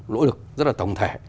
lỗ lực rất là tổng thể